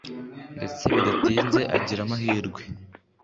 ndetse bidatinze agira amahirwe